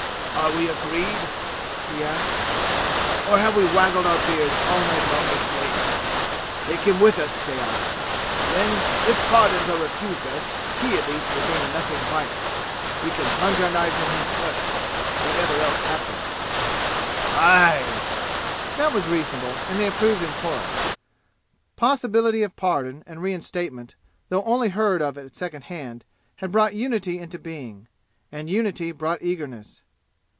"Are we agreed?" he asked. "Or have we waggled our beards all night long in vain? Take him with us, say I. Then, if pardons are refused us he at least will gain nothing by it. We can plunge our knives in him first, whatever else happens." "Aye!" That was reasonable and they approved in chorus. Possibility of pardon and reinstatement, though only heard of at second hand, had brought unity into being. And unity brought eagerness.